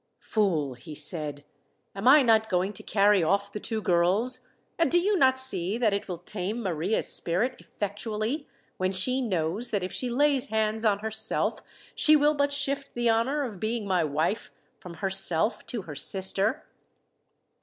"Fool," he said. "Am I not going to carry off the two girls? and do you not see that it will tame Maria's spirit effectually, when she knows that if she lays hands on herself, she will but shift the honour of being my wife from herself to her sister?"